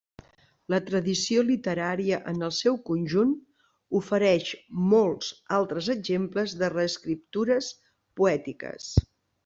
La tradició literària en el seu conjunt ofereix molts altres exemples de reescriptures poètiques.